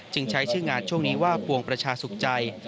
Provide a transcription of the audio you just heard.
จึงใช้ชื่องานว่าปวงประชาสุขใจ